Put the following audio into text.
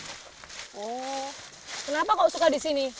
hmm kenapa kau suka di sini